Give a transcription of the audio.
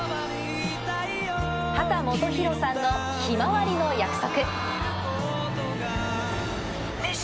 秦基博さんのひまわりの約束。